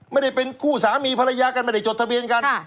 ไม่ได้เป็นคู่สามีภรรยากันไม่ได้จดทะเบียนกัน